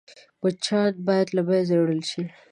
مچان باید له منځه يوړل شي